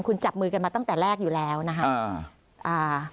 คุณจับมือกันมาตั้งแต่แรกอยู่แล้วนะครับ